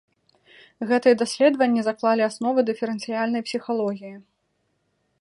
Гэтыя даследаванні заклалі асновы дыферэнцыяльнай псіхалогіі.